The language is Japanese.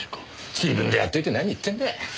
自分でやっといて何言ってるんだよ。